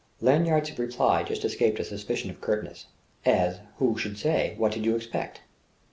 Lanyard's reply just escaped a suspicion of curtness: as who should say, what did you expect?